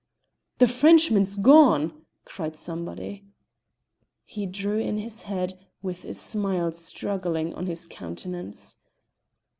"The Frenchman's gone!" cried somebody. He drew in his head, with a smile struggling on his countenance.